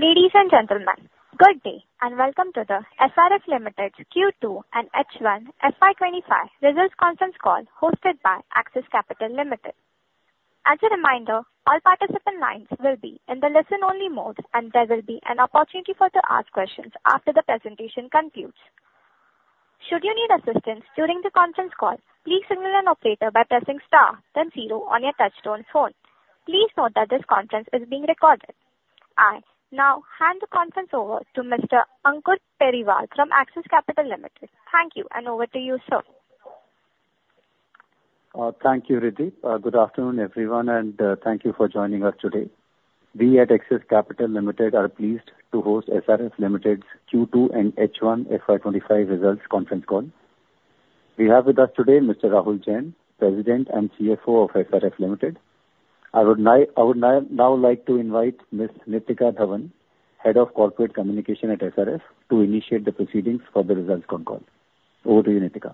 Ladies and gentlemen, good day, and welcome to the SRF Limited Q2 and H1 FY25 Results Conference Call, hosted by Axis Capital Limited. As a reminder, all participant lines will be in the listen-only mode, and there will be an opportunity for to ask questions after the presentation concludes. Should you need assistance during the conference call, please signal an operator by pressing star, then zero on your touchtone phone. Please note that this conference is being recorded. I now hand the conference over to Mr. Ankur Periwal from Axis Capital Limited. Thank you, and over to you, sir. Thank you, Riddhi. Good afternoon, everyone, and thank you for joining us today. We at Axis Capital Limited are pleased to host SRF Limited's Q2 and H1 FY25 results conference call. We have with us today Mr. Rahul Jain, President and CFO of SRF Limited. I would now like to invite Ms. Nitika Dhawan, Head of Corporate Communication at SRF, to initiate the proceedings for the results call. Over to you, Nitika.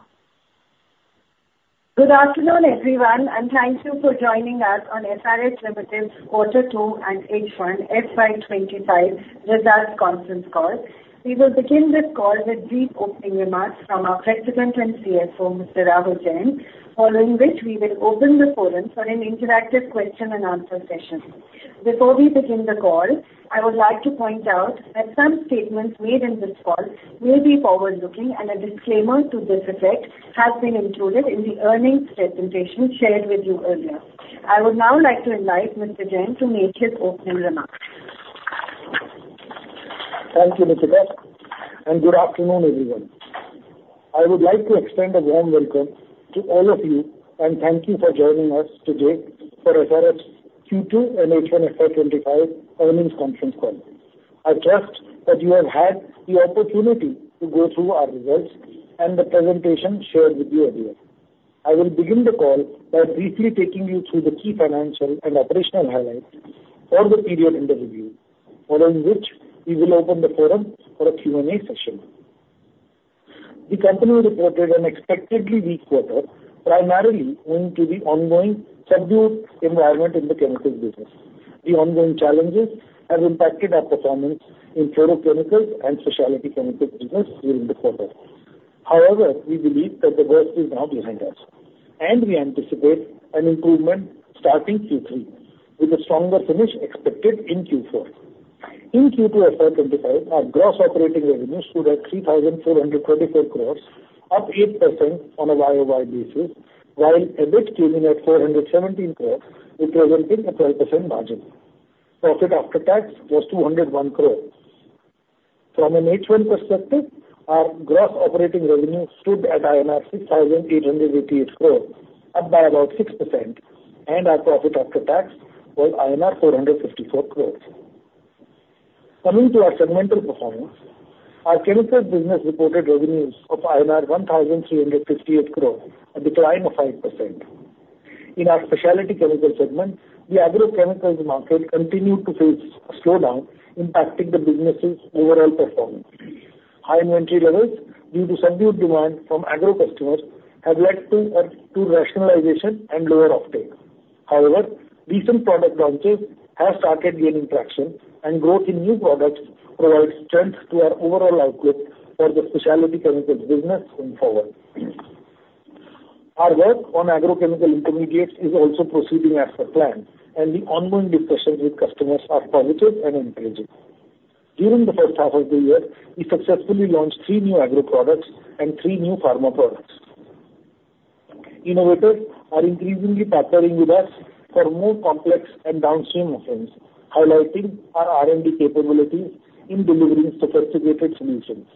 Good afternoon, everyone, and thank you for joining us on SRF Limited's Quarter Two and H1 FY25 Results Conference Call. We will begin this call with brief opening remarks from our President and CFO, Mr. Rahul Jain, following which we will open the forum for an interactive question and answer session. Before we begin the call, I would like to point out that some statements made in this call may be forward-looking, and a disclaimer to this effect has been included in the earnings presentation shared with you earlier. I would now like to invite Mr. Jain to make his opening remarks. Thank you, Nitika, and good afternoon, everyone. I would like to extend a warm welcome to all of you, and thank you for joining us today for SRF's Q2 and H1 FY25 Earnings Conference Call. I trust that you have had the opportunity to go through our results and the presentation shared with you earlier. I will begin the call by briefly taking you through the key financial and operational highlights for the period under review, following which we will open the forum for a Q&A session. The company reported an expectedly weak quarter, primarily owing to the ongoing subdued environment in the chemicals business. The ongoing challenges have impacted our performance in chlorochemicals and specialty chemicals business during the quarter. However, we believe that the worst is now behind us, and we anticipate an improvement starting Q3, with a stronger finish expected in Q4. In Q2 FY25, our gross operating revenue stood at 3,424 crores, up 8% on a YoY basis, while EBIT came in at 417 crores, representing a 12% margin. Profit after tax was 201 crores. From an H1 perspective, our gross operating revenue stood at INR 6,888 crores, up by about 6%, and our profit after tax was INR 454 crores. Coming to our segmental performance, our chemicals business reported revenues of INR 1,358 crores, a decline of 5%. In our specialty chemical segment, the agrochemicals market continued to face a slowdown, impacting the business's overall performance. High inventory levels, due to subdued demand from agro customers, have led to rationalization and lower offtake. However, recent product launches have started gaining traction, and growth in new products provides strength to our overall output for the specialty chemicals business going forward. Our work on agrochemical intermediates is also proceeding as per plan, and the ongoing discussions with customers are positive and encouraging. During the first half of the year, we successfully launched three new agro products and three new pharma products. Innovators are increasingly partnering with us for more complex and downstream offerings, highlighting our R&D capabilities in delivering sophisticated solutions.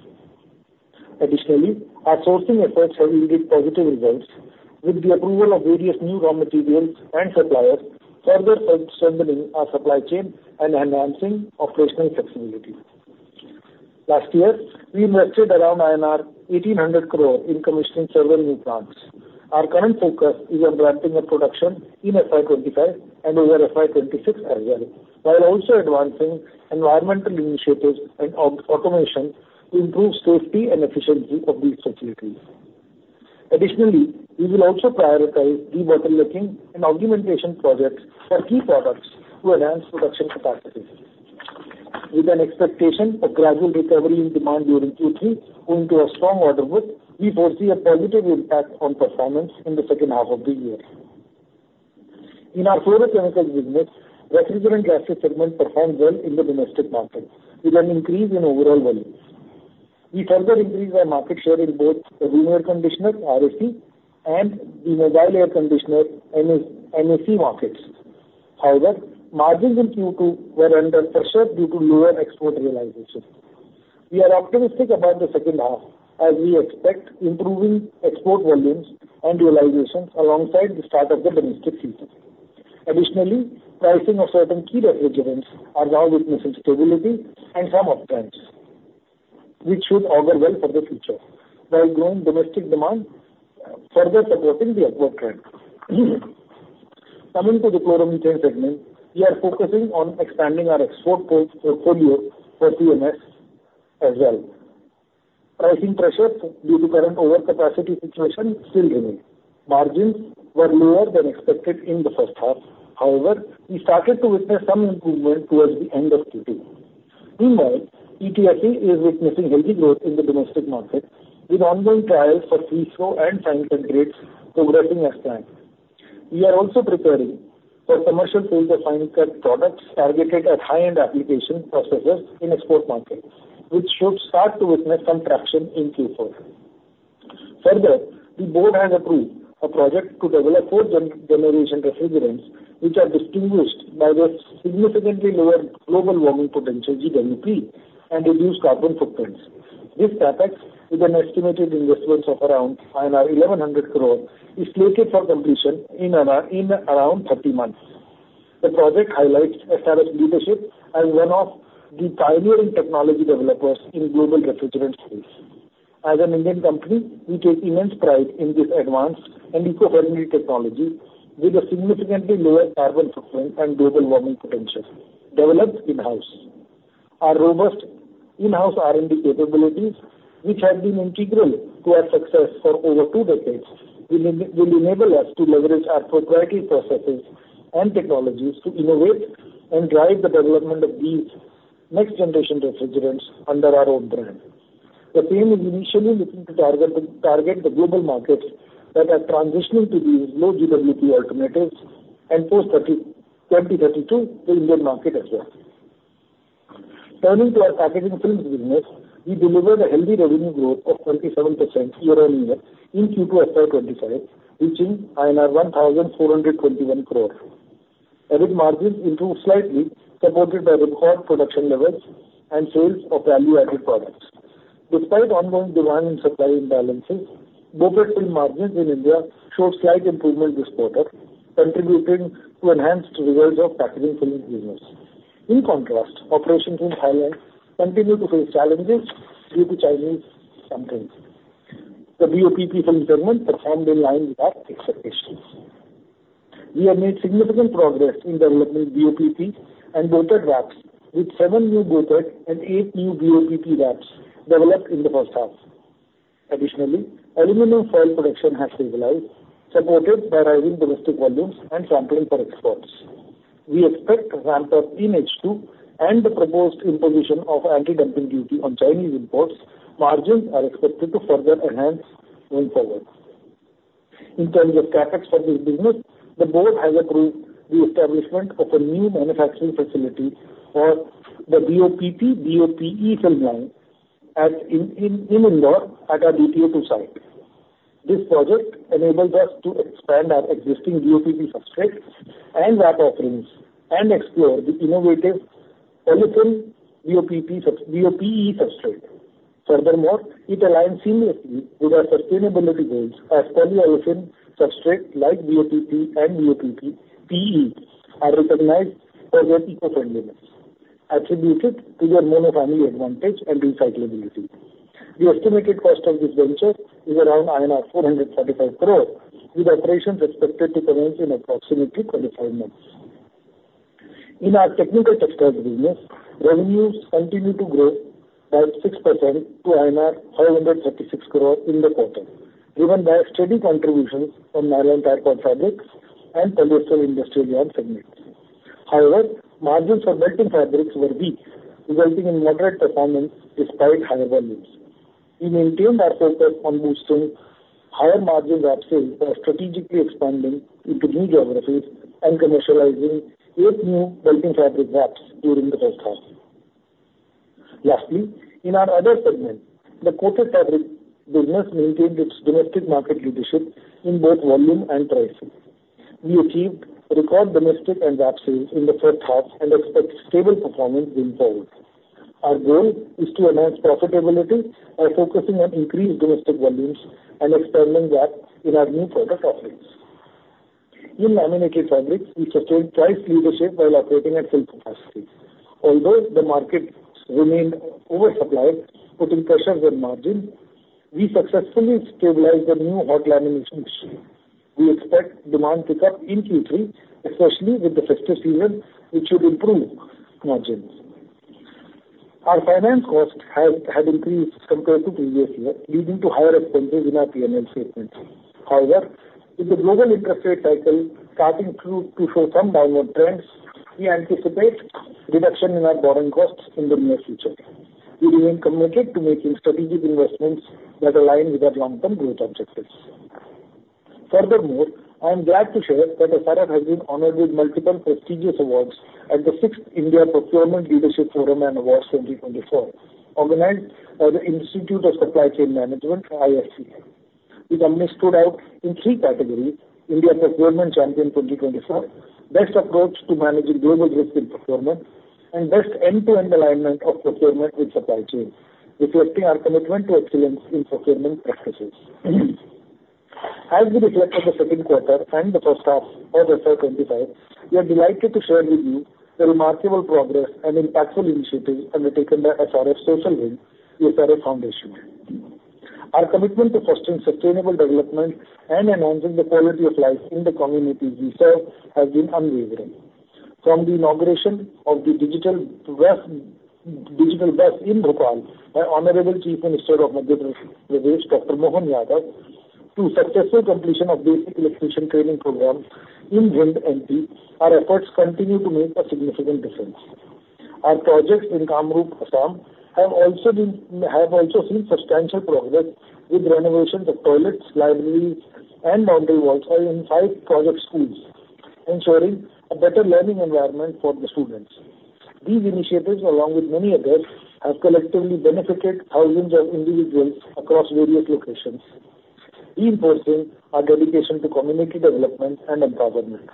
Additionally, our sourcing efforts have yielded positive results, with the approval of various new raw materials and suppliers, further strengthening our supply chain and enhancing operational flexibility. Last year, we invested around INR 1,800 crores in commissioning several new plants. Our current focus is on ramping up production in FY25 and over FY26 as well, while also advancing environmental initiatives and automation to improve safety and efficiency of these facilities. Additionally, we will also prioritize debottlenecking and augmentation projects for key products to enhance production capacity. With an expectation of gradual recovery in demand during Q3, owing to a strong order book, we foresee a positive impact on performance in the second half of the year. In our chlorochemical business, refrigerant gases segment performed well in the domestic market, with an increase in overall volumes. We further increased our market share in both the room air conditioner, RAC, and the mobile air conditioner, MAC markets. However, margins in Q2 were under pressure due to lower export realization. We are optimistic about the second half, as we expect improving export volumes and realizations alongside the start of the domestic season. Additionally, pricing of certain key refrigerants are now witnessing stability and some uptrends, which should augur well for the future, while growing domestic demand further supporting the upward trend. Coming to the chloromethane segment, we are focusing on expanding our export portfolio for CMS as well. Pricing pressures due to current overcapacity situation still remain. Margins were lower than expected in the first half, however, we started to witness some improvement towards the end of Q2. Meanwhile, ETFE is witnessing healthy growth in the domestic market, with ongoing trials for free flow and fine cut grades progressing as planned. We are also preparing for commercial sales of fine cut products targeted at high-end application processors in export markets, which should start to witness some traction in Q4. Further, the board has approved a project to develop fourth-generation refrigerants, which are distinguished by their significantly lower global warming potential, GWP, and reduced carbon footprints. This CapEx, with an estimated investment of around 1,100 crore, is slated for completion in around thirty months. The project highlights SRF's leadership as one of the pioneering technology developers in global refrigerant space. As an Indian company, we take immense pride in this advanced and eco-friendly technology with a significantly lower carbon footprint and global warming potential developed in-house. Our robust in-house R&D capabilities, which have been integral to our success for over two decades, will enable us to leverage our proprietary processes and technologies to innovate and drive the development of these next-generation refrigerants under our own brand. The team is initially looking to target the global markets that are transitioning to these low GWP alternatives and post 2032, the Indian market as well. Turning to our packaging films business, we delivered a healthy revenue growth of 27% year-on-year in Q2 FY 2025, reaching INR 1,421 crore. EBIT margins improved slightly, supported by record production levels and sales of value-added products. Despite ongoing demand and supply imbalances, BOPET film margins in India showed slight improvement this quarter, contributing to enhanced results of packaging film business. In contrast, operations in Thailand continue to face challenges due to Chinese dumping. The BOPP film segment performed in line with our expectations. We have made significant progress in developing BOPP and BOPET VAPs, with seven new BOPET and eight new BOPP VAPs developed in the first half. Additionally, aluminum foil production has stabilized, supported by rising domestic volumes and sampling for exports. We expect ramp-up in H2 and the proposed imposition of antidumping duty on Chinese imports. Margins are expected to further enhance going forward. In terms of CapEx for this business, the board has approved the establishment of a new manufacturing facility for the BOPP/BOPE film line at Indore at our DTA-2 site. This project enables us to expand our existing BOPP substrates and VAP offerings, and explore the innovative olefin BOPP/BOPE substrate. Furthermore, it aligns seamlessly with our sustainability goals as polyolefin substrates like BOPP and BOPE are recognized for their eco-friendliness, attributed to their mono-family advantage and recyclability. The estimated cost of this venture is around 435 crore, with operations expected to commence in approximately 25 months. In our technical textiles business, revenues continued to grow by 6% to INR 536 crore in the quarter, driven by steady contributions from nylon tire cord fabrics and polyester industrial yarn segments. However, margins for building fabrics were weak, resulting in moderate performance despite higher volumes. We maintained our focus on boosting higher margin VAP sales by strategically expanding into new geographies and commercializing eight new building fabric VAPs during the first half. Lastly, in our other segment, the coated fabrics business maintained its domestic market leadership in both volume and pricing. We achieved record domestic and VAP sales in the first half and expect stable performance going forward. Our goal is to enhance profitability by focusing on increased domestic volumes and expanding VAP in our new product offerings. In laminated fabrics, we sustained price leadership while operating at full capacity. Although the market remained oversupplied, putting pressures on margin, we successfully stabilized a new hot lamination machine. We expect demand pick-up in Q3, especially with the festive season, which should improve margins. Our finance costs have increased compared to previous year, leading to higher expenses in our P&L statement. However, with the global interest rate cycle starting to show some downward trends, we anticipate reduction in our borrowing costs in the near future. We remain committed to making strategic investments that align with our long-term growth objectives. Furthermore, I am glad to share that SRF has been honored with multiple prestigious awards at the sixth India Procurement Leadership Forum and Awards 2024, organized by the Institute of Supply Chain Management, ISCM. The company stood out in three categories: India Procurement Champion 2024, Best Approach to Managing Global Risk in Procurement, and Best End-to-End Alignment of Procurement with Supply Chain, reflecting our commitment to excellence in procurement practices. As we reflect on the second quarter and the first half of FY25, we are delighted to share with you the remarkable progress and impactful initiatives undertaken by SRF Social Wing, the SRF Foundation. Our commitment to fostering sustainable development and enhancing the quality of life in the communities we serve has been unwavering. From the inauguration of the digital bus in Bhopal, by Honorable Chief Minister of Madhya Pradesh, Dr. Mohan Yadav. Mohan Yadav to successful completion of basic electrician training program in Jhansi, MP. Our efforts continue to make a significant difference. Our projects in Kamrup, Assam, have also seen substantial progress with renovation of toilets, libraries, and boundary walls in five project schools, ensuring a better learning environment for the students. These initiatives, along with many others, have collectively benefited thousands of individuals across various locations, reinforcing our dedication to community development and empowerment.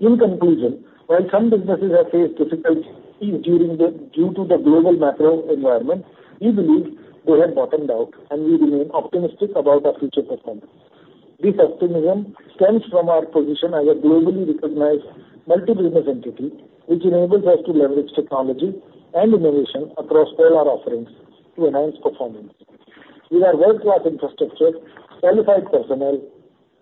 In conclusion, while some businesses have faced difficulties due to the global macro environment, we believe we have bottomed out, and we remain optimistic about our future performance. This optimism stems from our position as a globally recognized multi-business entity, which enables us to leverage technology and innovation across all our offerings to enhance performance. With our world-class infrastructure, qualified personnel,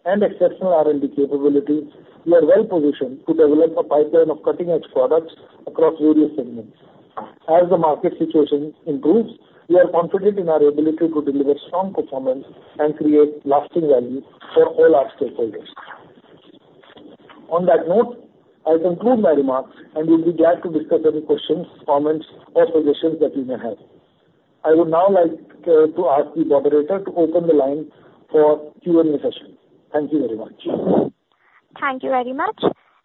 and exceptional R&D capabilities, we are well positioned to develop a pipeline of cutting-edge products across various segments. As the market situation improves, we are confident in our ability to deliver strong performance and create lasting value for all our stakeholders. On that note, I conclude my remarks, and we'll be glad to discuss any questions, comments, or suggestions that you may have. I would now like to ask the moderator to open the line for Q&A session. Thank you very much. Thank you very much.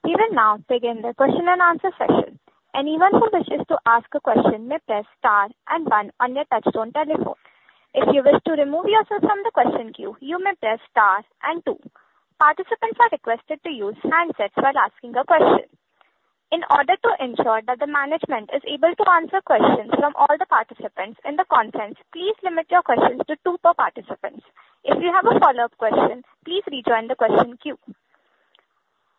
We will now begin the question and answer session. Anyone who wishes to ask a question may press star and one on your touchtone telephone. If you wish to remove yourself from the question queue, you may press star and two. Participants are requested to use handsets while asking a question. In order to ensure that the management is able to answer questions from all the participants in the conference, please limit your questions to two per participant. If you have a follow-up question, please rejoin the question queue.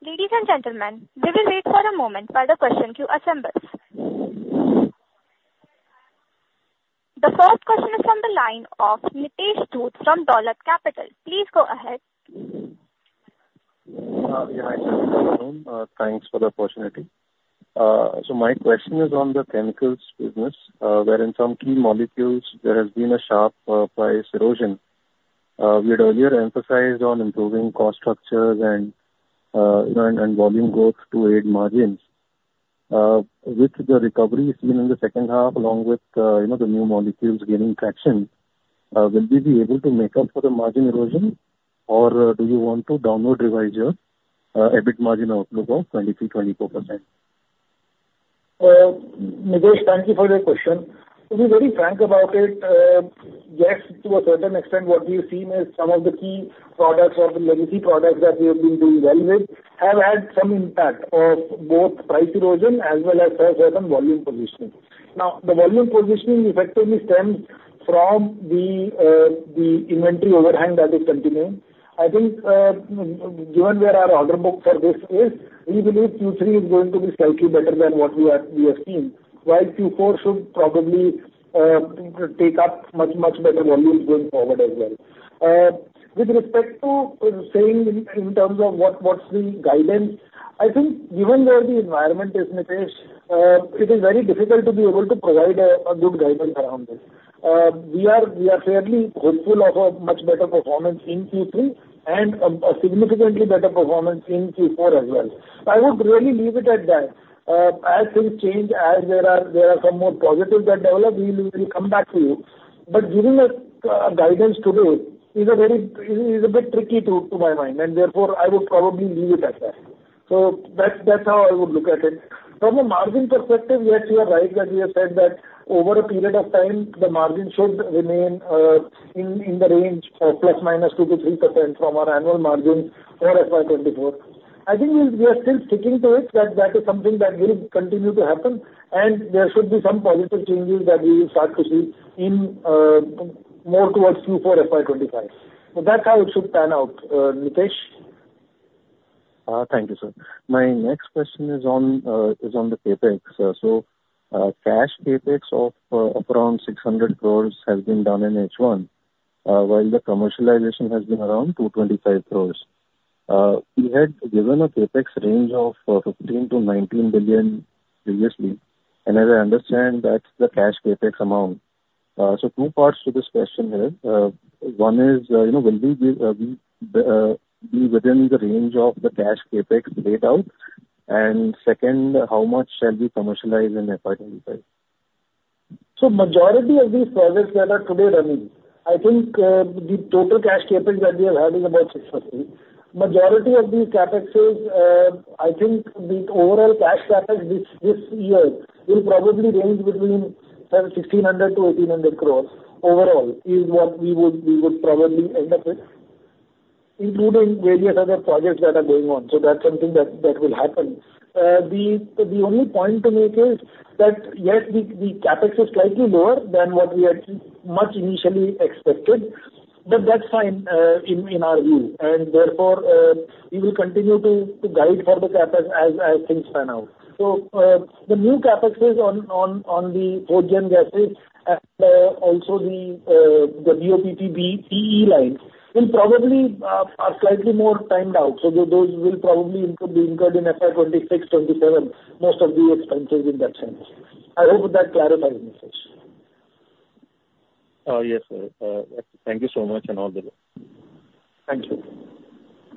Ladies and gentlemen, we will wait for a moment while the question queue assembles. The first question is from the line of Nitesh Dhoot from Dolat Capital. Please go ahead. Yeah, hi, thanks for the opportunity. So my question is on the chemicals business, where in some key molecules there has been a sharp price erosion. We had earlier emphasized on improving cost structures and, you know, and volume growth to aid margins. With the recovery seen in the second half, along with, you know, the new molecules gaining traction, will we be able to make up for the margin erosion? Or, do you want to downward revise your EBIT margin outlook of 22-24%? Nitesh, thank you for that question. To be very frank about it, yes, to a certain extent, what we have seen is some of the key products or the legacy products that we have been doing well with, have had some impact of both price erosion as well as some volume positioning. Now, the volume positioning effectively stems from the inventory overhang that is continuing. I think, given where our order book for this is, we believe Q3 is going to be slightly better than what we have seen, while Q4 should probably take up much, much better volumes going forward as well. With respect to saying in, in terms of what, what's the guidance, I think given where the environment is, Nitesh, it is very difficult to be able to provide a good guidance around this. We are fairly hopeful of a much better performance in Q3 and a significantly better performance in Q4 as well. I would really leave it at that. As things change, there are some more positives that develop, we will come back to you. But giving guidance today is a bit tricky to my mind, and therefore, I would probably leave it at that. So that's how I would look at it. From a margin perspective, yes, you are right, that we have said that over a period of time, the margin should remain in the range of plus minus 2%-3% from our annual margin for FY24. I think we are still sticking to it, that is something that will continue to happen, and there should be some positive changes that we will start to see in, more towards Q4 FY 2025. So that's how it should pan out, Nitesh. Thank you, sir. My next question is on the CapEx. So, cash CapEx of around 600 crores has been done in H1, while the commercialization has been around 225 crores. You had given a CapEx range of 15-19 billion previously, and as I understand, that's the cash CapEx amount. So two parts to this question here. One is, you know, will we be within the range of the cash CapEx laid out? And second, how much shall we commercialize in FY 2025? So majority of these projects that are today running, I think, the total cash CapEx that we have had is about 650. Majority of these CapExes, I think the overall cash CapEx this year will probably range between 1,600 to 1,800 crores overall, is what we would probably end up with, including various other projects that are going on, so that's something that will happen. The only point to make is that, yes, the CapEx is slightly lower than what we had much initially expected. But that's fine, in our view, and therefore, we will continue to guide for the CapEx as things pan out. The new CapEx is on the fourth-gen gases and also the BOPP PE lines will probably are slightly more timed out. Those will probably be included in FY 2026-2027, most of the expenses in that sense. I hope that clarifies message. Yes, sir. Thank you so much, and all the best. Thank you.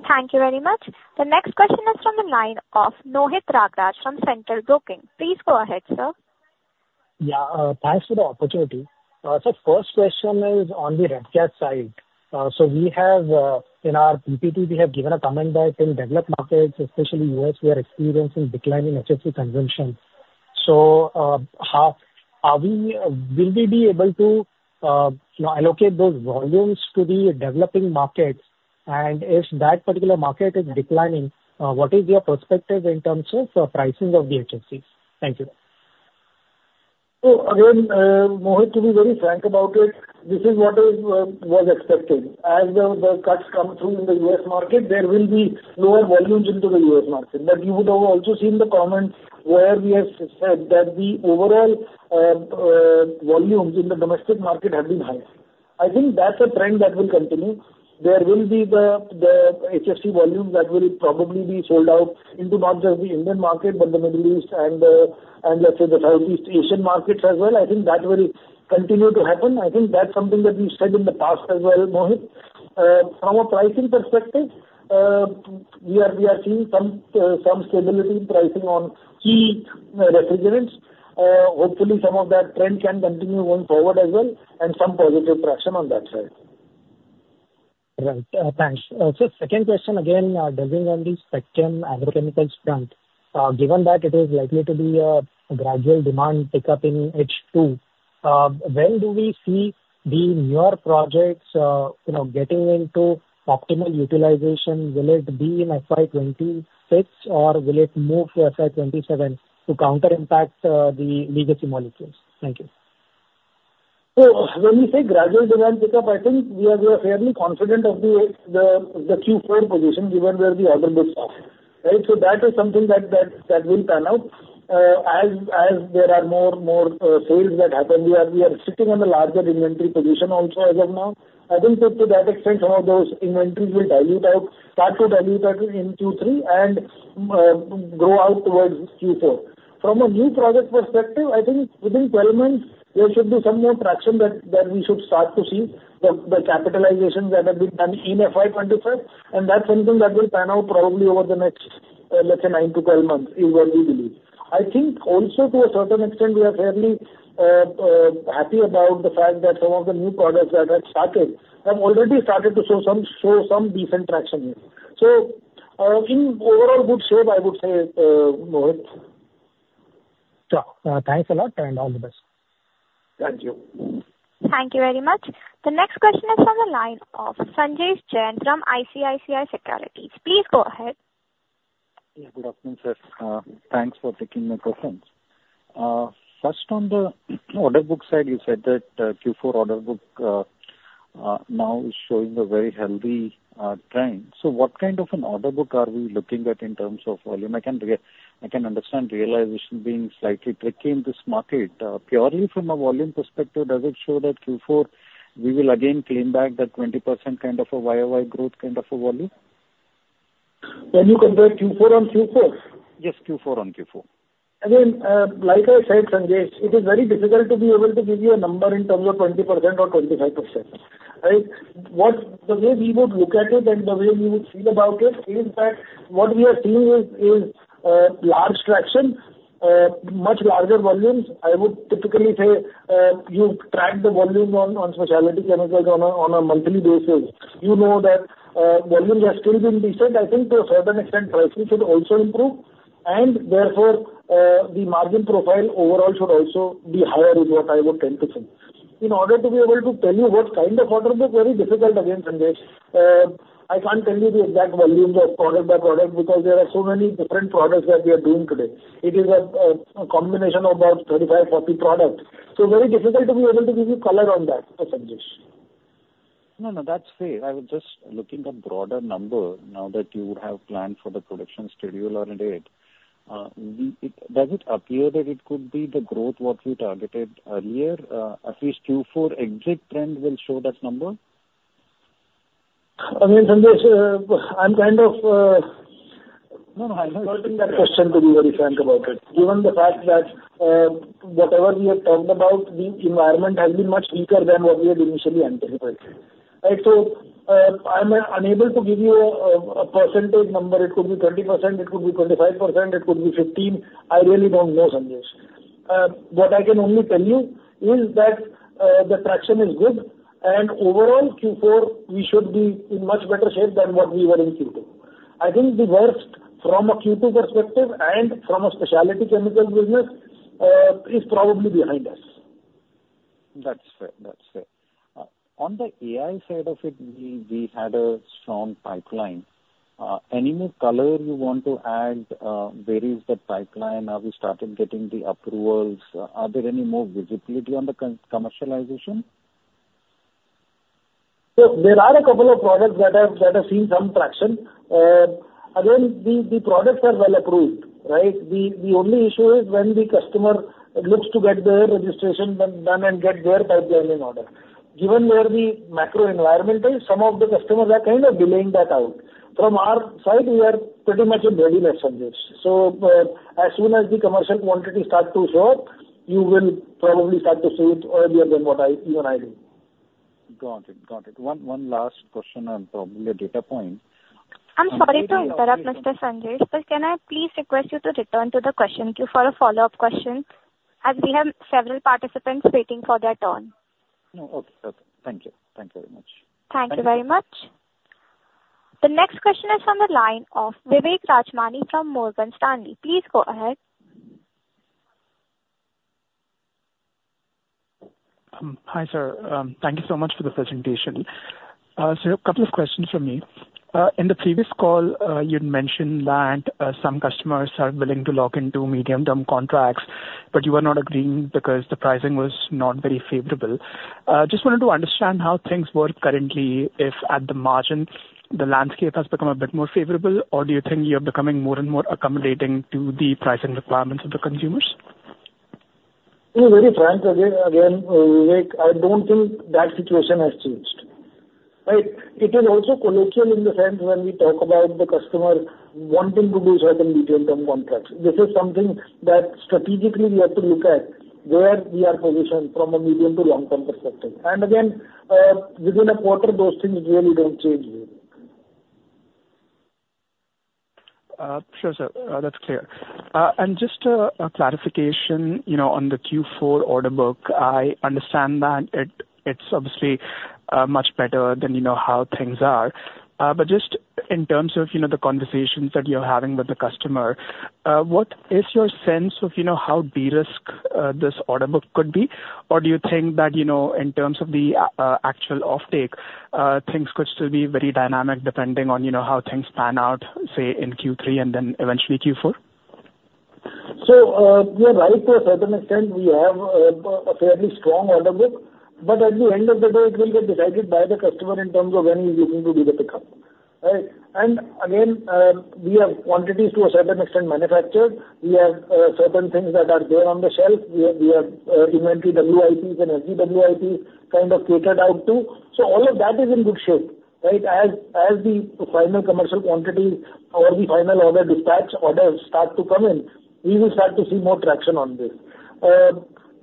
Thank you very much. The next question is from the line of Mohit Raghav from Centrum Broking. Please go ahead, sir. Yeah, thanks for the opportunity. So first question is on the refrigerant side. So we have, in our PPT, we have given a comment that in developed markets, especially U.S., we are experiencing declining HFC consumption. So, how will we be able to, you know, allocate those volumes to the developing markets? And if that particular market is declining, what is your perspective in terms of, pricing of the HFCs? Thank you. So again, Mohit, to be very frank about it, this is what was expected. As the cuts come through in the U.S. market, there will be lower volumes into the U.S. market. But you would have also seen the comments where we have said that the overall volumes in the domestic market have been high. I think that's a trend that will continue. There will be the HFC volumes that will probably be sold out into not just the Indian market, but the Middle East and let's say the Southeast Asian markets as well. I think that will continue to happen. I think that's something that we've said in the past as well, Mohit. From a pricing perspective, we are seeing some stability in pricing on key refrigerants. Hopefully, some of that trend can continue going forward as well, and some positive traction on that side. Right. Thanks. So second question again, dealing on the Specialty Chemicals front. Given that it is likely to be a gradual demand pickup in H2, when do we see the newer projects, you know, getting into optimal utilization? Will it be in FY twenty-six, or will it move to FY twenty-seven to counter impact the legacy molecules? Thank you. So when we say gradual demand pickup, I think we are fairly confident of the Q4 position, given where the order book is off, right? That is something that will pan out. As there are more sales that happen, we are sitting on a larger inventory position also as of now. I think that to that extent, some of those inventories will dilute out, start to dilute out in Q3 and go out towards Q4. From a new project perspective, I think within twelve months, there should be some more traction that we should start to see the capitalizations that have been done in FY 2025, and that's something that will pan out probably over the next, let's say, nine to twelve months, is what we believe. I think also to a certain extent, we are fairly happy about the fact that some of the new products that have started have already started to show some decent traction. So, in overall good shape, I would say, Mohit. Sure. Thanks a lot, and all the best. Thank you. Thank you very much. The next question is from the line of Sanjesh Jain, ICICI Securities. Please go ahead. Yeah, good afternoon, sir. Thanks for taking my questions. First, on the order book side, you said that Q4 order book now is showing a very healthy trend. So what kind of an order book are we looking at in terms of volume? I can understand realization being slightly tricky in this market. Purely from a volume perspective, does it show that Q4, we will again claim back that 20% kind of a YOY growth kind of a volume? Can you compare Q4 on Q4? Yes, Q4 on Q4. Again, like I said, Sanjesh, it is very difficult to be able to give you a number in terms of 20% or 25%. Right? What the way we would look at it and the way we would feel about it is that what we are seeing is large traction, much larger volumes. I would typically say you track the volume on specialty chemicals on a monthly basis. You know that volumes have still been decent. I think to a certain extent, pricing should also improve, and therefore the margin profile overall should also be higher, is what I would tend to think. In order to be able to tell you what kind of order book, very difficult again, Sanjesh. I can't tell you the exact volumes of product by product, because there are so many different products that we are doing today. It is a combination of about 35-40 products, so very difficult to be able to give you color on that, Sanjesh. No, no, that's fair. I was just looking at broader number now that you have planned for the production schedule and date. Does it appear that it could be the growth what we targeted earlier, at least Q4 exit trend will show that number? I mean, Sanjesh, I'm kind of... No, no, I'm not avoiding that question, to be very frank about it. Given the fact that whatever we have talked about, the environment has been much weaker than what we had initially anticipated. Right. So, I'm unable to give you a percentage number. It could be 20%, it could be 25%, it could be 15%. I really don't know, Sanjesh. What I can only tell you is that the traction is good, and overall Q4, we should be in much better shape than what we were in Q2. I think the worst from a Q2 perspective and from a specialty chemical business is probably behind us. That's fair. That's fair. On the AI side of it, we had a strong pipeline. Any more color you want to add, where is the pipeline? Have you started getting the approvals? Are there any more visibility on the commercialization? So there are a couple of products that have seen some traction. Again, the products are well approved, right? The only issue is when the customer looks to get their registration done and get their pipeline order. Given where the macro environment is, some of the customers are kind of delaying that out. From our side, we are pretty much in readiness on this. So, as soon as the commercial quantity start to show, you will probably start to see it earlier than what you and I do. Got it. Got it. One last question and probably a data point. I'm sorry to interrupt, Mr. Sanjesh, but can I please request you to return to the question queue for a follow-up question, as we have several participants waiting for their turn? No. Okay. Thank you. Thank you very much. Thank you very much. The next question is from the line of Vivek Rajamani from Morgan Stanley. Please go ahead. Hi, sir. Thank you so much for the presentation. So a couple of questions from me. In the previous call, you'd mentioned that some customers are willing to lock into medium-term contracts, but you were not agreeing because the pricing was not very favorable. Just wanted to understand how things work currently, if at the margin, the landscape has become a bit more favorable, or do you think you're becoming more and more accommodating to the pricing requirements of the consumers? To be very frank, again, Vivek, I don't think that situation has changed, right? It is also colloquial in the sense when we talk about the customer wanting to do certain medium-term contracts. This is something that strategically we have to look at, where we are positioned from a medium to long-term perspective. And again, within a quarter, those things really don't change, Vivek. Sure, sir. That's clear. And just a clarification, you know, on the Q4 order book. I understand that it, it's obviously much better than you know how things are. But just in terms of, you know, the conversations that you're having with the customer, what is your sense of, you know, how de-risk this order book could be? Or do you think that, you know, in terms of the actual offtake, things could still be very dynamic, depending on, you know, how things pan out, say, in Q3 and then eventually Q4? So, you're right to a certain extent, we have a fairly strong order book. But at the end of the day, it will get decided by the customer in terms of when he is looking to do the pickup, right? And again, we have quantities to a certain extent manufactured. We have certain things that are there on the shelf. We have inventory WIPs and FGs kind of catered out to. So all of that is in good shape, right? As the final commercial quantity or the final order dispatch orders start to come in, we will start to see more traction on this.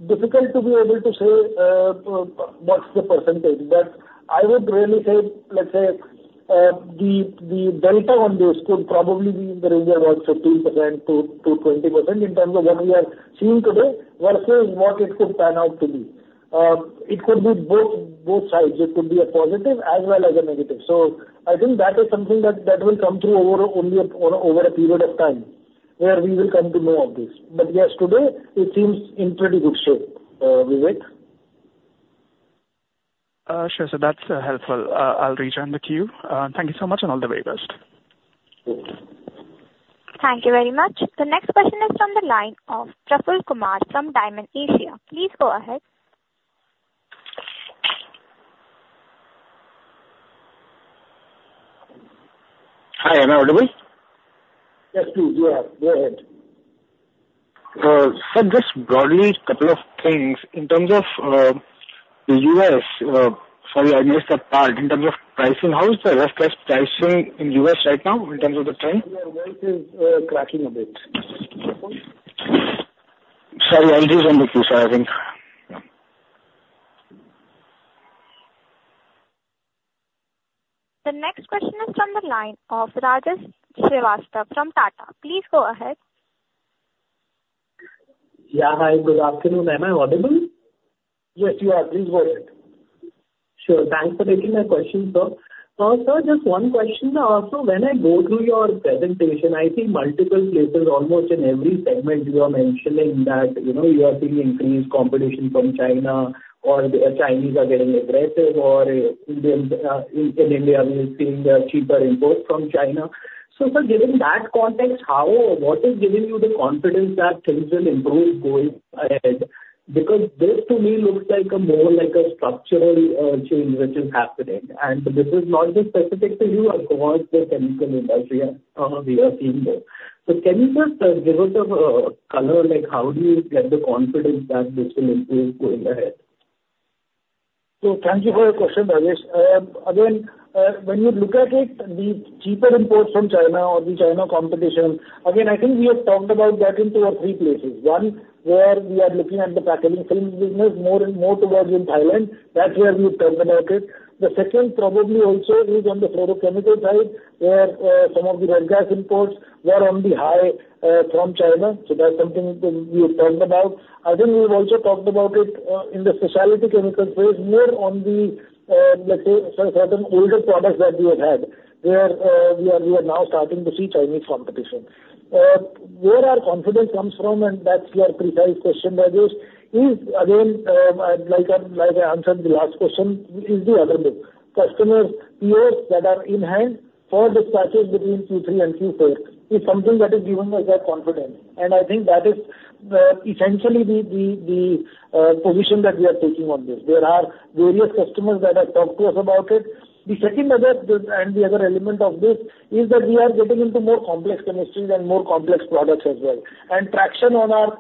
Difficult to be able to say what's the percentage, but I would really say, let's say, the delta on this could probably be in the range of about 15%-20% in terms of what we are seeing today versus what it could pan out to be. It could be both sides. It could be a positive as well as a negative. So I think that is something that will come through over only a period of time, where we will come to know of this. But yes, today it seems in pretty good shape, Vivek. Sure, sir, that's helpful. I'll rejoin the queue. Thank you so much, and all the very best. Thanks. Thank you very much. The next question is from the line of Praful Kumar from Dymon Asia. Please go ahead. Hi, am I audible? Yes, please. You are. Go ahead. Sir, just broadly, couple of things. In terms of U.S., sorry, I missed a part. In terms of pricing, how is the R-32 pricing in U.S. right now, in terms of the trend? Pricing is cracking a bit. Sorry, I'll just unmute you, sir, I think. The next question is from the line of Rajesh Srivastava from Tata. Please go ahead. Yeah. Hi, good afternoon. Am I audible? Yes, you are. Please go ahead. Sure. Thanks for taking my question, sir. Sir, just one question to ask. So when I go through your presentation, I think multiple places, almost in every segment, you are mentioning that, you know, you are seeing increased competition from China or the Chinese are getting aggressive or in India, we are seeing the cheaper imports from China. So, sir, given that context, what is giving you the confidence that things will improve going ahead? Because this to me looks like a more like a structural change which is happening. And this is not just specific to you across the chemical industry and we are seeing this. So can you just give us a color, like how do you get the confidence that this will improve going ahead? So thank you for your question, Rajesh. Again, when you look at it, the cheaper imports from China or the China competition, again, I think we have talked about that in two or three places. One, where we are looking at the packaging films business, more and more towards in Thailand. That's where we've talked about it. The second probably also is on the fluorochemical side, where some of the ref gas imports were on the high from China. So that's something that we have talked about. I think we've also talked about it in the specialty chemical space, more on the, let's say, certain older products that we have had, where we are now starting to see Chinese competition. Where our confidence comes from, and that's your precise question, Rajesh, is again, like I answered the last question, is the order book. Customers POs that are in hand for dispatches between Q3 and Q4 is something that is giving us that confidence. And I think that is essentially the position that we are taking on this. There are various customers that have talked to us about it. The second other, and the other element of this is that we are getting into more complex chemistries and more complex products as well. And traction on our,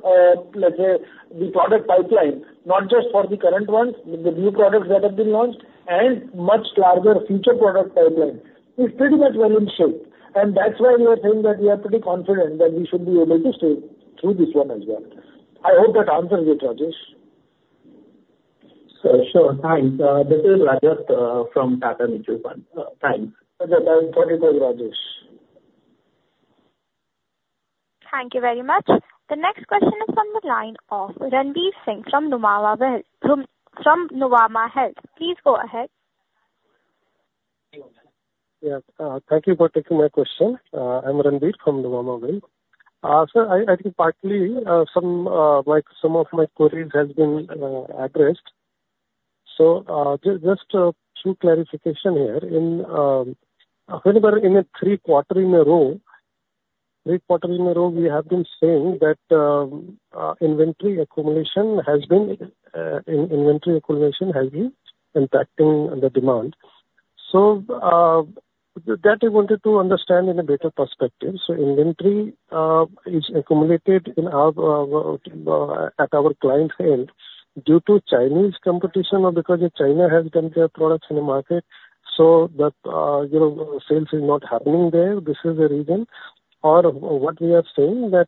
let's say, the product pipeline, not just for the current ones, but the new products that have been launched and much larger future product pipeline, is pretty much well in shape. That's why we are saying that we are pretty confident that we should be able to stay through this one as well. I hope that answers it, Rajesh. Sure, sure. Thanks. This is Rajesh from Tata Mutual Fund. Thanks. Okay, thank you Rajesh. Thank you very much. The next question is from the line of Ranveer Singh from Nuvama Wealth. Please go ahead. Yeah, thank you for taking my question. I'm Ranbir from Nuvama Wealth. Sir, I think partly, some, like, some of my queries has been addressed. So, just two clarification here. Whenever in three quarters in a row, we have been saying that inventory accumulation has been impacting the demand. So, that I wanted to understand in a better perspective. So inventory is accumulated at our client end due to Chinese competition or because China has dumped their products in the market, so that, you know, sales is not happening there, this is the reason? Or what we are saying that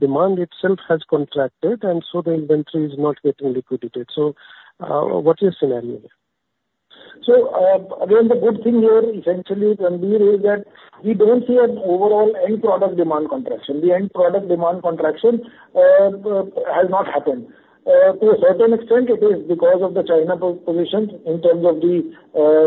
demand itself has contracted, and so the inventory is not getting liquidated. What's your scenario here? So, again, the good thing here, essentially, Ranbir, is that we don't see an overall end product demand contraction. The end product demand contraction has not happened. To a certain extent, it is because of the China position in terms of the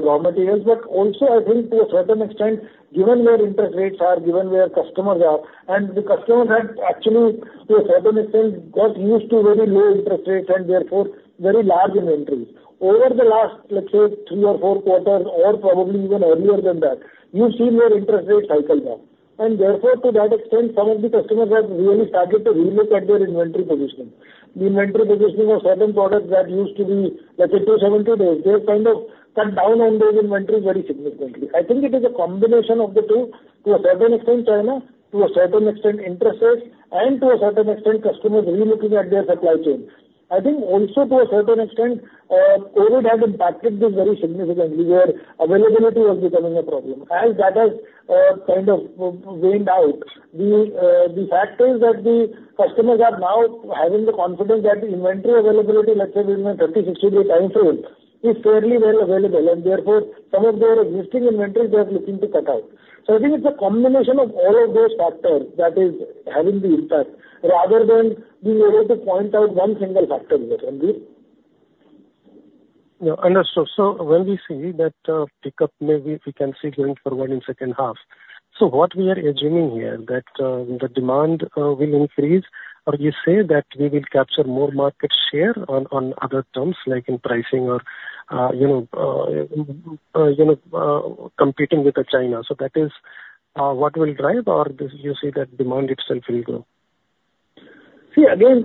raw materials. But also I think to a certain extent, given where interest rates are, given where customers are, and the customers have actually, to a certain extent, got used to very low interest rates and therefore very large inventory. Over the last, let's say, three or four quarters, or probably even earlier than that, you've seen where interest rates cycle down, and therefore, to that extent, some of the customers have really started to relook at their inventory positioning. The inventory positioning of certain products that used to be, let's say, two, seventy days, they have kind of cut down on those inventories very significantly. I think it is a combination of the two, to a certain extent, China, to a certain extent, interest rates, and to a certain extent, customers relooking at their supply chains. I think also to a certain extent, COVID has impacted this very significantly, where availability was becoming a problem. As that has kind of waned out, the fact is that the customers are now having the confidence that the inventory availability, let's say, within a thirty, sixty-day time frame, is fairly well available, and therefore, some of their existing inventories, they are looking to cut out. So I think it's a combination of all of those factors that is having the impact, rather than being able to point out one single factor here, Ranbir. Yeah, understood. So when we see that pickup, maybe we can see going forward in second half. So what we are assuming here, that the demand will increase, or you say that we will capture more market share on other terms, like in pricing or, you know, competing with China. So that is what will drive or do you see that demand itself will grow? See, again,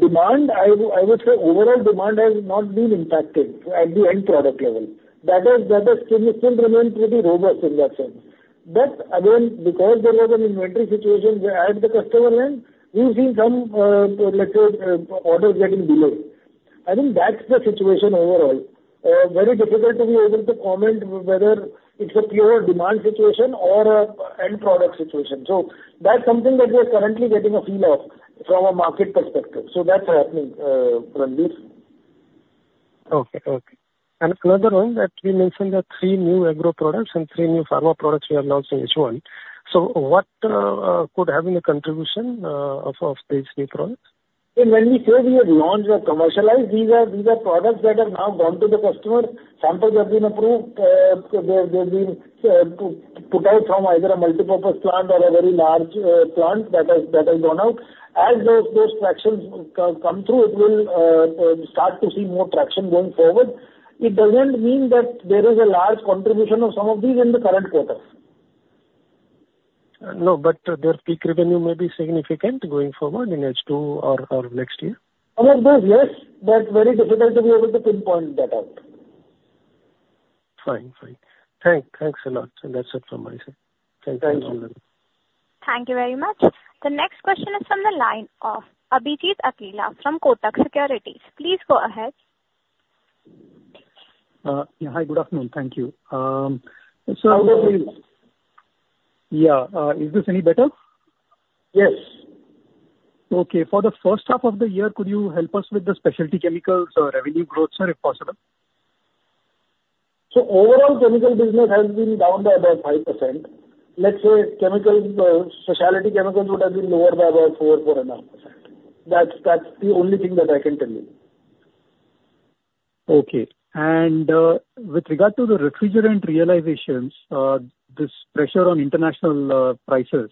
demand. I would say overall demand has not been impacted at the end product level. That still remains pretty robust in that sense. But again, because there was an inventory situation where at the customer end, we've seen some, let's say, orders getting delayed. I think that's the situation overall. Very difficult to be able to comment whether it's a pure demand situation or an end product situation. So that's something that we are currently getting a feel of from a market perspective. So that's happening, Ranbir. Okay. And another one, that we mentioned the three new agro products and three new pharma products we announced in H1. So what could have been the contribution of these new products? When we say we have launched or commercialized, these are products that have now gone to the customer. Samples have been approved, they've been put out from either a multipurpose plant or a very large plant that has gone out. As those tractions come through, it will start to see more traction going forward. It doesn't mean that there is a large contribution of some of these in the current quarter. No, but their peak revenue may be significant going forward in H2 or next year? Yes, but very difficult to be able to pinpoint that out. Fine. Fine. Thanks a lot, sir. That's it from my side. Thank you. Thank you. Thank you very much. The next question is from the line of Abhijit Akella from Kotak Securities. Please go ahead. Yeah, hi, good afternoon. Thank you. How are you? Yeah, is this any better? Yes. Okay. For the first half of the year, could you help us with the Specialty Chemicals revenue growth, sir, if possible? Overall chemical business has been down by about 5%. Let's say chemical, specialty chemicals would have been lower by about 4-4.5%. That's the only thing that I can tell you. Okay. And with regard to the refrigerant realizations, this pressure on international prices,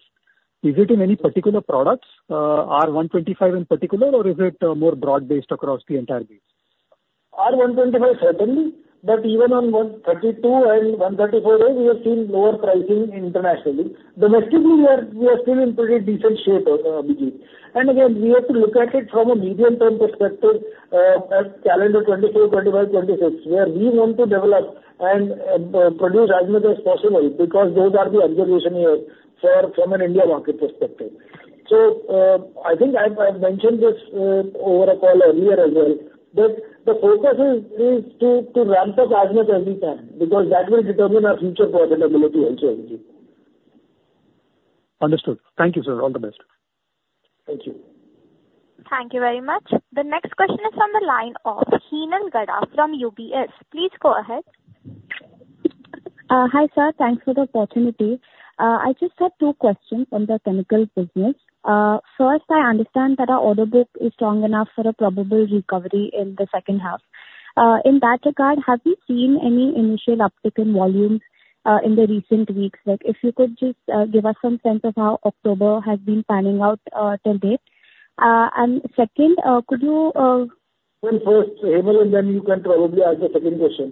is it in any particular products, R-125 in particular, or is it more broad-based across the entire base?... or R-125 certainly, but even on R-32 and R-134a, we have seen lower pricing internationally. Domestically, we are still in pretty decent shape, Abhijit. And again, we have to look at it from a medium-term perspective, as calendar 2024, 2025, 2026, where we want to develop and produce as much as possible, because those are the observation years from an India market perspective. So, I think I've mentioned this over a call earlier as well, that the focus is to ramp up as much as we can, because that will determine our future profitability also, Abhijit. Understood. Thank you, sir. All the best. Thank you. Thank you very much. The next question is on the line of Heenal Gada from UBS. Please go ahead. Hi, sir. Thanks for the opportunity. I just have two questions on the chemical business. First, I understand that our order book is strong enough for a probable recovery in the second half. In that regard, have you seen any initial uptick in volumes in the recent weeks? Like, if you could just give us some sense of how October has been panning out to date. And second, could you First, Heenal, and then you can probably ask the second question.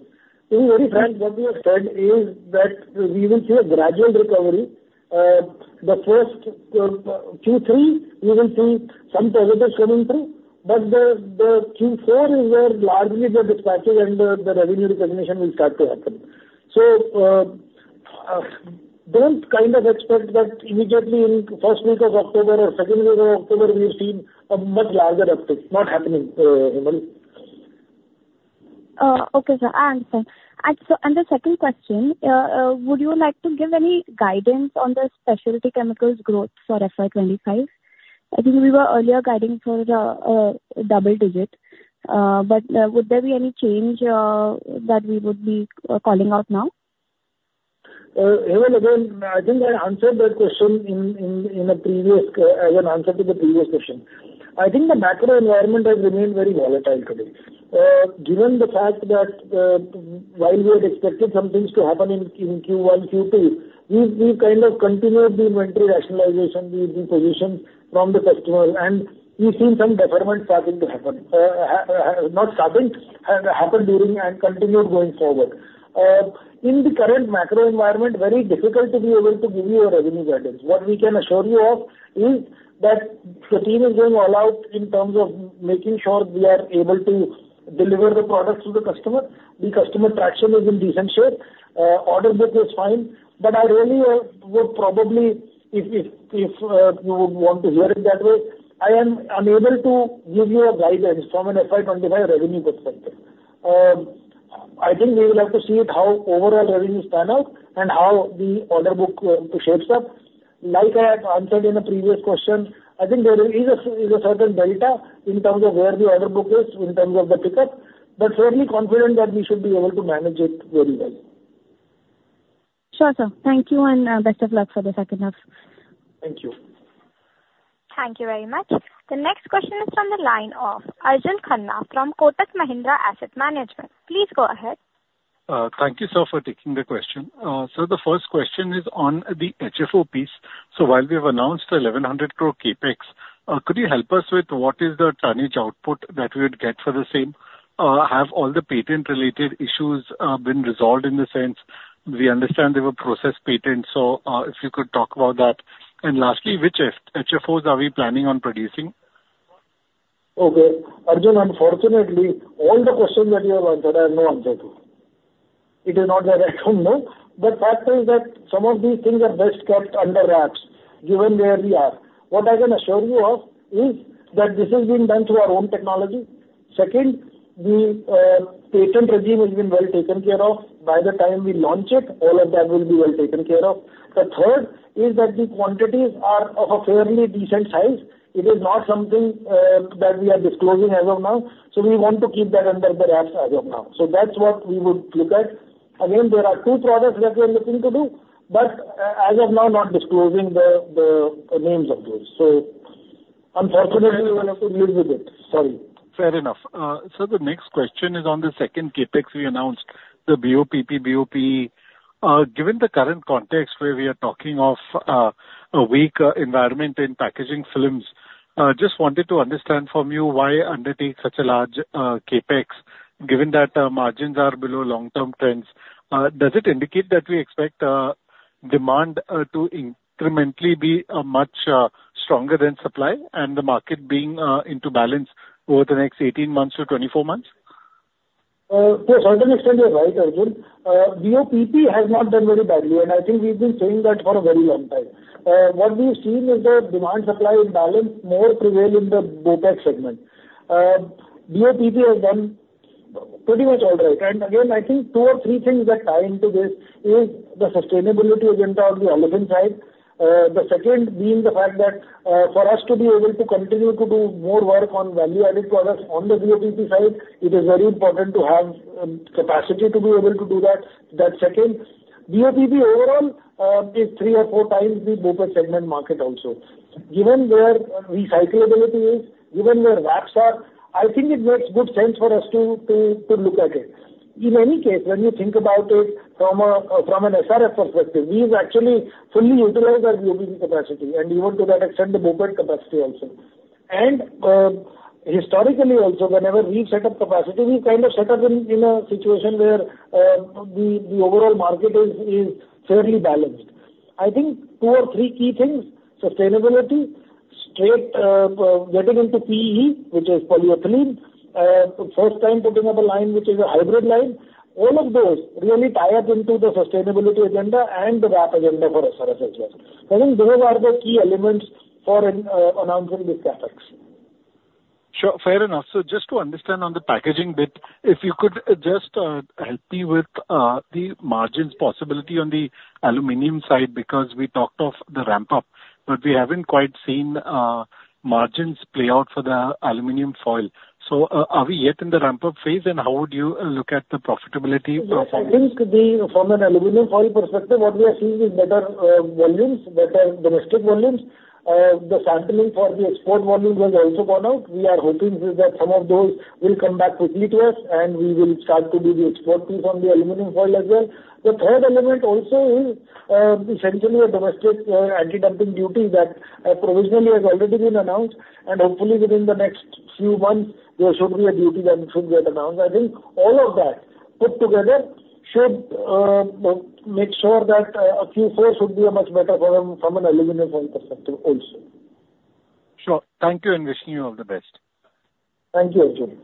To be very frank, what we have said is that we will see a gradual recovery. The first Q3, we will see some positives coming through, but the Q4 is where largely the dispatch and the revenue recognition will start to happen. So, don't kind of expect that immediately in first week of October or second week of October, we've seen a much larger uptick. Not happening, Heenal. Okay, sir, I understand. And so, and the second question, would you like to give any guidance on the Specialty Chemicals growth for FY 2025? I think we were earlier guiding for the double digit, but would there be any change that we would be calling out now? Heenal, again, I think I answered that question in a previous, as an answer to the previous question. I think the macro environment has remained very volatile, Heenal. Given the fact that, while we had expected some things to happen in Q1, Q2, we kind of continued the inventory rationalization, the position from the customer, and we've seen some deferment starting to happen, not starting, happen during and continued going forward. In the current macro environment, very difficult to be able to give you a revenue guidance. What we can assure you of is that the team is going all out in terms of making sure we are able to deliver the products to the customer. The customer traction is in decent shape. Order book is fine, but I really would probably, if you would want to hear it that way, I am unable to give you a guidance from an FY 2025 revenue perspective. I think we will have to see it, how overall revenues pan out and how the order book shapes up. Like I had answered in a previous question, I think there is a certain delta in terms of where the order book is, in terms of the pickup, but fairly confident that we should be able to manage it very well. Sure, sir. Thank you, and best of luck for the second half. Thank you. Thank you very much. The next question is from the line of Arjun Khanna from Kotak Mahindra Asset Management. Please go ahead. Thank you, sir, for taking the question. So the first question is on the HFO piece. So while we have announced 1,100 crore CapEx, could you help us with what is the tonnage output that we would get for the same? Have all the patent-related issues been resolved in the sense we understand they were process patent, so if you could talk about that. And lastly, which F, HFOs are we planning on producing? Okay. Arjun, unfortunately, all the questions that you have asked, I have no answer to. It is not that I don't know, the fact is that some of these things are best kept under VAPs, given where we are. What I can assure you of is that this is being done through our own technology. Second, the patent regime has been well taken care of. By the time we launch it, all of that will be well taken care of. The third is that the quantities are of a fairly decent size. It is not something that we are disclosing as of now, so we want to keep that under the VAPs as of now. So that's what we would look at. Again, there are two products that we are looking to do, but as of now, not disclosing the names of those. So unfortunately, you're gonna have to live with it. Sorry. Fair enough. Sir, the next question is on the second CapEx we announced, the BOPP, BOP. Given the current context where we are talking of a weak environment in packaging films, just wanted to understand from you why undertake such a large CapEx, given that margins are below long-term trends. Does it indicate that we expect demand to incrementally be much stronger than supply and the market being into balance over the next eighteen months to twenty-four months? To a certain extent you're right, Arjun. BOPP has not done very badly, and I think we've been saying that for a very long time. What we've seen is the demand-supply imbalance more prevail in the BOPET segment. BOPP has done pretty much all right. And again, I think two or three things that tie into this is the sustainability agenda on the aluminum side. The second being the fact that, for us to be able to continue to do more work on value-added products on the BOPP side, it is very important to have capacity to be able to do that. BOPP overall is three or four times the BOPET segment market also. Given their recyclability, given their VAPs are, I think it makes good sense for us to look at it. In any case, when you think about it from a, from an SRF perspective, we've actually fully utilized our BOPP capacity, and even to that extent, the BOPET capacity also. Historically also, whenever we set up capacity, we kind of set up in a situation where the overall market is fairly balanced. I think two or three key things: sustainability, straight, getting into PE, which is polyethylene, first time putting up a line, which is a hybrid line. All of those really tie up into the sustainability agenda and the VAP agenda for us as well. I think those are the key elements for announcing this CapEx. Sure, fair enough. So just to understand on the packaging bit, if you could just help me with the margins possibility on the aluminum side, because we talked of the ramp-up, but we haven't quite seen margins play out for the aluminum foil. So, are we yet in the ramp-up phase, and how would you look at the profitability performance? Yeah, I think the, from an aluminum foil perspective, what we are seeing is better, volumes, better domestic volumes. The sampling for the export volumes has also gone out. We are hoping that some of those will come back quickly to us, and we will start to do the export piece on the aluminum foil as well. The third element also is, essentially a domestic, anti-dumping duty that provisionally has already been announced, and hopefully within the next few months, there should be a duty that should get announced. I think all of that put together should, make sure that, Q4 should be a much better from, from an aluminum foil perspective also. Sure. Thank you, and wishing you all the best. Thank you, Arjun.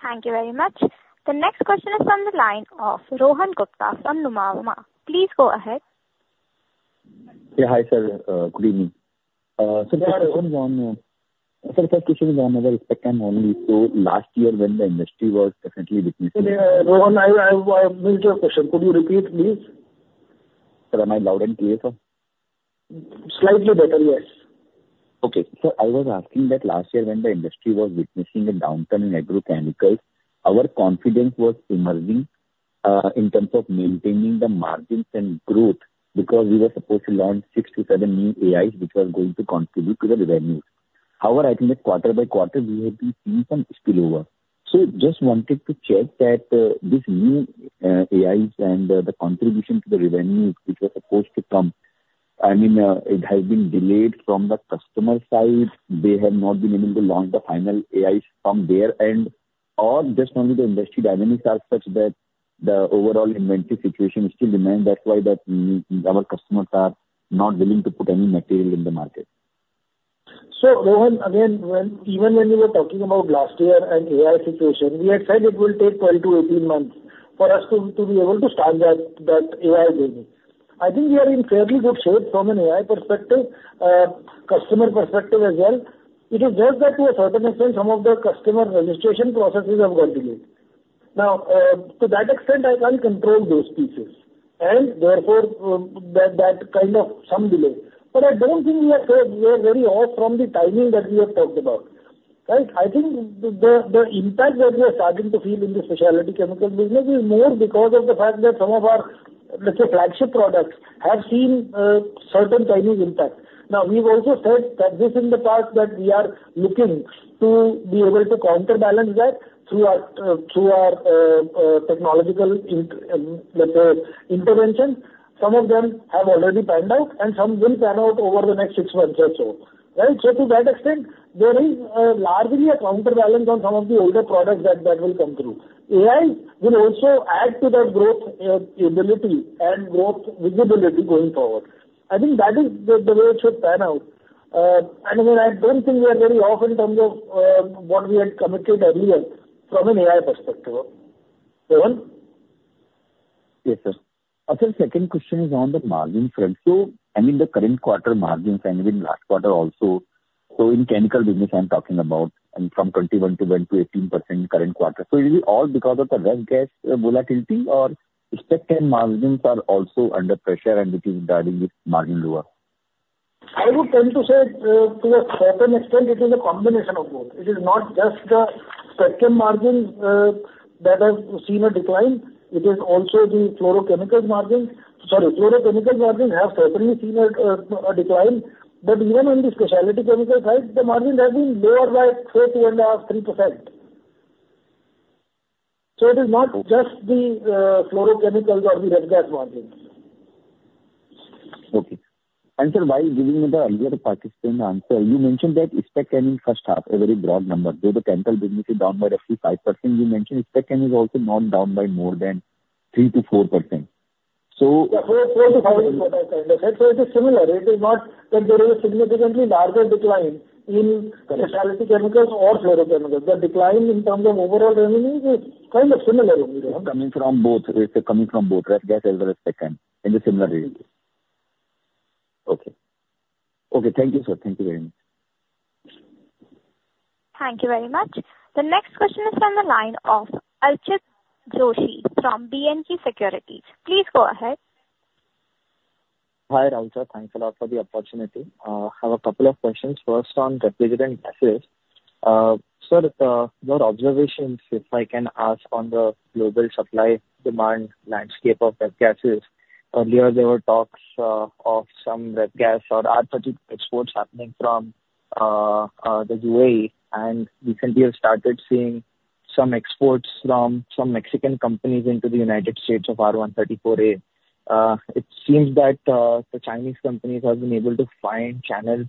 Thank you very much. The next question is from the line of Rohan Gupta from Nomura. Please go ahead. Yeah, hi, sir. Good evening. So there are going on... Sir, second question is on another spec chem only, so last year, when the industry was definitely witnessing- Rohan, I missed your question. Could you repeat, please? Sir, am I loud and clear, sir? Slightly better, yes. Okay. Sir, I was asking that last year when the industry was witnessing a downturn in agrochemicals, our confidence was emerging, in terms of maintaining the margins and growth, because we were supposed to launch six to seven new AIs, which was going to contribute to the revenues. However, I think that quarter by quarter we have been seeing some spillover. So just wanted to check that, this new, AIs and the contribution to the revenues which were supposed to come, I mean, it has been delayed from the customer side. They have not been able to launch the final AIs from their end, or just only the industry dynamics are such that the overall inventory situation still remains. That's why the, our customers are not willing to put any material in the market. So, Rohan, again, when even we were talking about last year and API situation, we had said it will take 12-18 months for us to be able to start that API journey. I think we are in fairly good shape from an API perspective, customer perspective as well. It is just that to a certain extent, some of the customer registration processes have got delayed. Now, to that extent, I can't control those pieces, and therefore, that kind of some delay. But I don't think we are very off from the timing that we have talked about. Right, I think the impact that we are starting to feel in the specialty chemical business is more because of the fact that some of our, let's say, flagship products have seen certain Chinese impact. Now, we've also said that this in the past, that we are looking to be able to counterbalance that through our technological intervention. Some of them have already panned out, and some will pan out over the next six months or so. Right? So to that extent, there is largely a counterbalance on some of the older products that will come through. AI will also add to the growth ability and growth visibility going forward. I think that is the way it should pan out. And again, I don't think we are very off in terms of what we had committed earlier from an AI perspective. Rohan? Yes, sir. Sir, second question is on the margin front. So, I mean, the current quarter margins and in last quarter also, so in chemical business, I'm talking about, and from 21%-28% current quarter. So it is all because of the ref gas volatility or spec chem margins are also under pressure, and which is driving this margin lower? I would tend to say, to a certain extent, it is a combination of both. It is not just the spec chem margin, that has seen a decline, it is also the fluorochemicals margin. Sorry, fluorochemical margin have certainly seen a decline, but even in the specialty chemical side, the margin has been lower, like, say, 2.5%-3%. So it is not just the fluorochemicals or the ref gas margins. Okay. Sir, while giving me the earlier packaging answer, you mentioned that spec chem in first half, a very broad number, where the chemical business is down by roughly 5%. You mentioned spec chem is also not down by more than 3%-4%. So- Four to five is what I kind of said. So it is similar. It is not that there is a significantly larger decline in specialty chemicals or fluorochemicals. The decline in terms of overall revenues is kind of similar. Coming from both, it's coming from both ref gas as well as Spec chem in a similar range. Okay. Okay, thank you, sir. Thank you very much. Thank you very much. The next question is from the line of Archit Joshi from B&K Securities. Please go ahead. Hi, Rahul, sir. Thanks a lot for the opportunity. I have a couple of questions. First, on the refrigerant gases. Sir, your observations, if I can ask, on the global supply-demand landscape of the gases. Earlier, there were talks of some ref gas or arbitrage exports happening from the UAE, and recently you started seeing-... some exports from some Mexican companies into the United States of R-134a. It seems that the Chinese companies have been able to find channels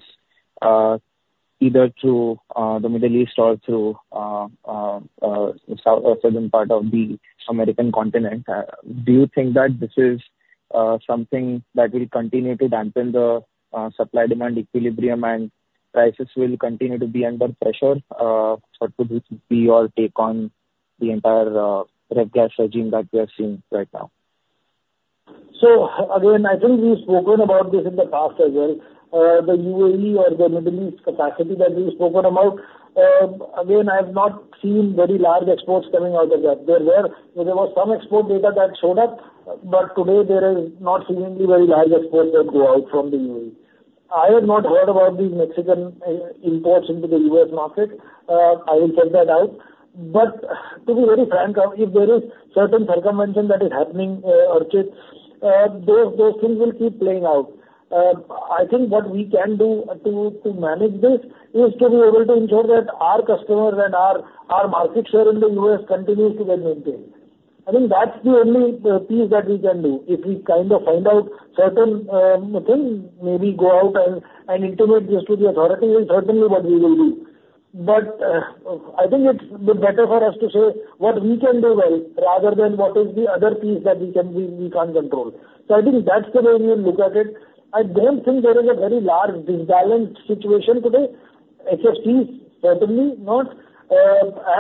either through the Middle East or through south or southern part of the American continent. Do you think that this is something that will continue to dampen the supply-demand equilibrium and prices will continue to be under pressure? What would be your take on the entire ref gas regime that we are seeing right now? So, again, I think we've spoken about this in the past as well. The UAE or the Middle East capacity that we've spoken about, again, I have not seen very large exports coming out of that. There was some export data that showed up, but today there is not seemingly very large exports that go out from the UAE. I have not heard about the Mexican imports into the U.S. market. I will check that out. But to be very frank, if there is certain circumvention that is happening, or those things will keep playing out. I think what we can do to manage this is to be able to ensure that our customers and our market share in the U.S. continues to be maintained. I think that's the only piece that we can do. If we kind of find out certain things, maybe go out and intimate this to the authorities, is certainly what we will do. But I think it's better for us to say what we can do well, rather than what is the other piece that we can't control. So I think that's the way we look at it. I don't think there is a very large imbalanced situation today. HFC, certainly not.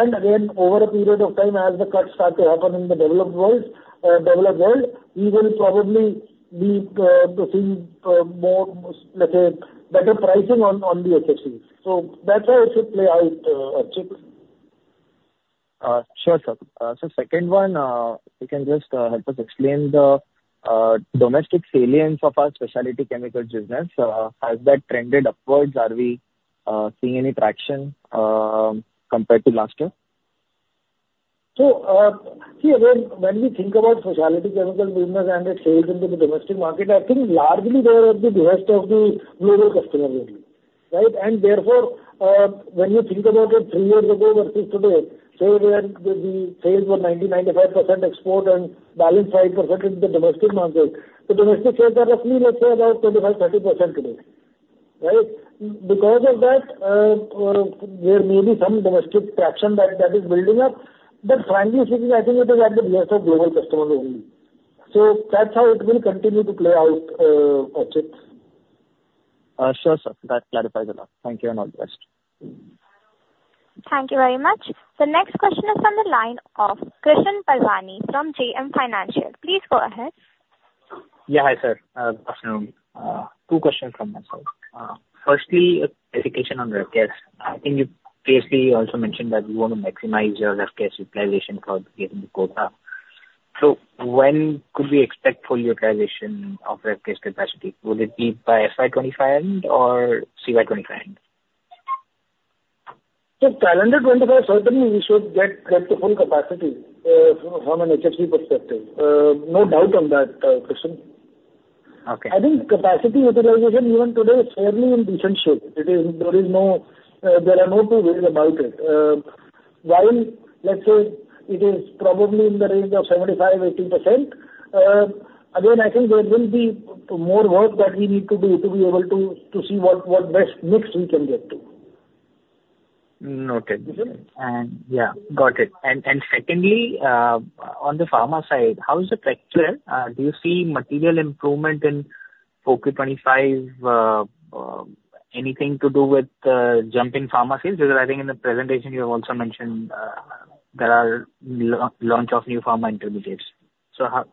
And again, over a period of time, as the cuts start to happen in the developed world, we will probably be to see more, let's say, better pricing on the HFC. So that's how it should play out, Archit. Sure, sir. So second one, if you can just help us explain the domestic salience of our specialty chemical business. Has that trended upwards? Are we seeing any traction compared to last year? So, see, again, when we think about specialty chemical business and the sales into the domestic market, I think largely they are at the behest of the global customer only, right? And therefore, when you think about it, three years ago versus today, say, where the sales were 90-95% export and balance 5% in the domestic market, the domestic sales are roughly, let's say, about 25-30% today, right? Because of that, there may be some domestic traction that is building up, but frankly speaking, I think it is at the behest of global customers only. So that's how it will continue to play out, Archit. Sure, sir. That clarifies a lot. Thank you, and all the best. Thank you very much. The next question is from the line of Krishan Parwani from JM Financial. Please go ahead. Yeah, hi, sir. Good afternoon. Two questions from myself. Firstly, a clarification on ref gas. I think you previously also mentioned that you want to maximize your ref gas utilization for the given quota. So when could we expect full utilization of ref gas capacity? Will it be by FY twenty-five end or CY twenty-five end? So, calendar 2025, certainly we should get to full capacity from an HFO perspective. No doubt on that, Krishan. Okay. I think capacity utilization even today is fairly decent shape. There are no two ways about it. While, let's say, it is probably in the range of 75%-80%, again, I think there will be more work that we need to do to be able to see what best mix we can get to. Noted. Yeah, got it. Secondly, on the pharma side, how is the picture? Do you see material improvement in FY25? Anything to do with jump in pharma sales? Because I think in the presentation you have also mentioned there are launch of new pharma intermediates. So how...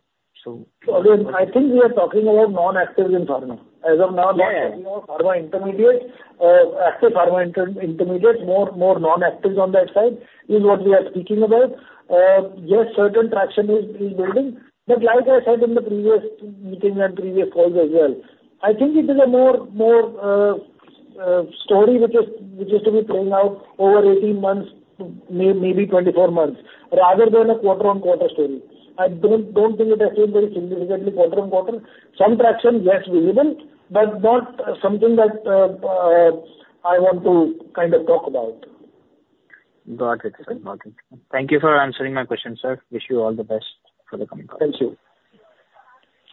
so- Again, I think we are talking about non-actives in pharma. Yeah. As of now, we're talking about pharma intermediates, active pharma intermediates, more non-actives on that side, is what we are speaking about. Yes, certain traction is building, but like I said in the previous meeting and previous calls as well, I think it is a more story which is to be playing out over eighteen months, maybe twenty-four months, rather than a quarter on quarter story. I don't think it has been very significantly quarter on quarter. Some traction, yes, we need it, but not something that I want to kind of talk about. Got it, sir. Okay. Thank you for answering my question, sir. Wish you all the best for the coming quarter. Thank you.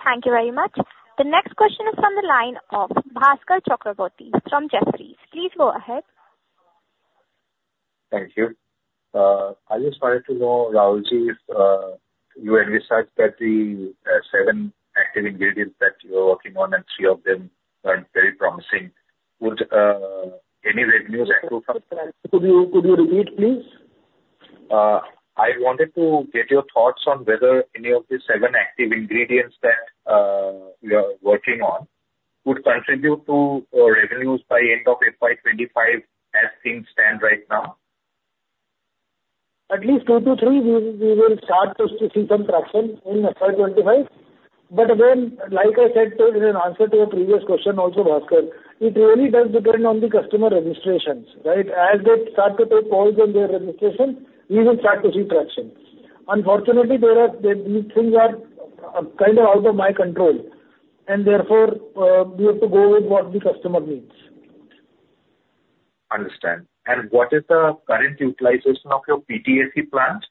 Thank you very much. The next question is from the line of Bhaskar Chakraborty from Jefferies. Please go ahead. Thank you. I just wanted to know, Rahulji, you had researched that the seven active ingredients that you are working on, and three of them are very promising. Would any revenues accrue from- Could you repeat, please? I wanted to get your thoughts on whether any of the seven active ingredients that you are working on would contribute to revenues by end of FY 2025, as things stand right now? At least two to three, we will start to see some traction in FY 2025. But again, like I said in an answer to a previous question also, Bhaskar, it really does depend on the customer registrations, right? As they start to take calls on their registration, we will start to see traction. Unfortunately, there are these things are kind of out of my control, and therefore, we have to go with what the customer needs.... Understand. And what is the current utilization of your PTFE plant?